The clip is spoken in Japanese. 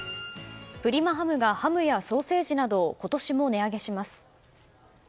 プリマハムがハムやソーセージなどを今年も値上げします。